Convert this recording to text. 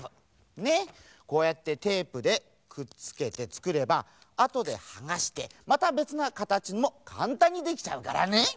こうやってテープでくっつけてつくればあとではがしてまたべつなかたちもかんたんにできちゃうからね。